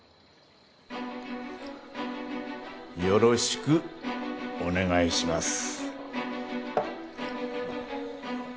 よろしくお願いします。